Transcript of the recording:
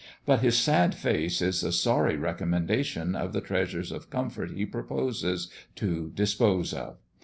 But his sad face is a sorry recommendation of the treasures of comfort he proposes to dispose of.